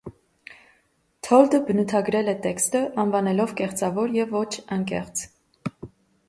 Թոլդը բնութագրել է տեքստը՝ անվանելով կեղծավոր և ոչ անկեղծ։